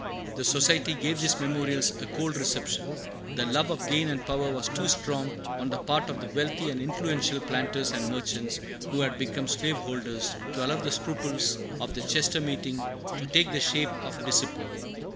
The Society gave these memorials a cold reception. The love of gain and power was too strong, on the part of the wealthy and influential planters and merchants who had become slaveholders, to allow the scruples of the Chester meeting to take the shape of discipline.